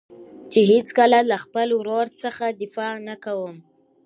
چې هېڅکله له خپل ورور څخه دفاع نه کوم.